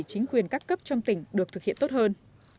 chính quyền các cấp trong tỉnh được thực hiện tốt hơn